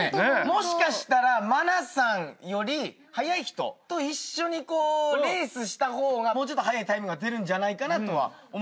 もしかしたら茉奈さんより速い人と一緒にこうレースした方がもうちょっと速いタイムが出るんじゃないかなとは思ったりはしますよね。